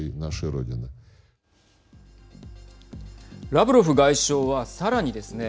ラブロフ外相は、さらにですね